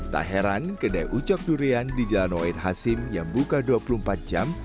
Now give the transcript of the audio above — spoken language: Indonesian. tak heran kedai ucok durian di jalan wahid hasim yang buka dua puluh empat jam